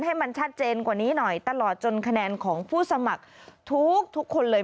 ให้มันชัดเจนกว่านี้หน่อยตลอดจนคะแนนของผู้สมัครทุกคนเลย